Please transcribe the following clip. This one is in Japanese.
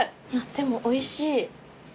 でもおいしい。